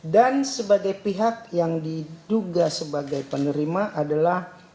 dan sebagai pihak yang diduga sebagai penerima adalah